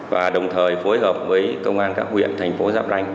và đồng thời phối hợp với công an các huyện thành phố giáp ranh